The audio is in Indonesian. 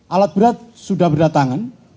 alat berat sudah berdatang